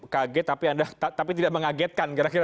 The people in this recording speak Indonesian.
kaget tapi tidak mengagetkan